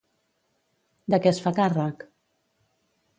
De què es fa càrrec?